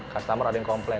customer ada yang komplain